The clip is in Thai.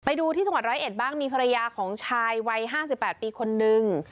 ไปดูที่จังหวัดร้อยเอ็ดบ้างมีภรรยาของชายวัย๕๘ปีคนนึง